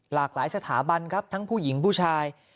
หลากหลายสถาบันครับทั้งผู้หญิงผู้ชาย